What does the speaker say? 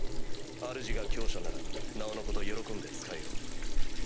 あるじが強者ならなおのこと喜んで仕えよう。